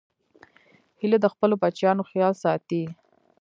هیلۍ د خپلو بچیانو خیال ساتي